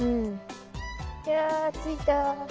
いやついた。